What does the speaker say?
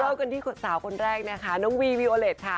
เริ่มกันที่สาวคนแรกนะคะน้องวีวิโอเล็ตค่ะ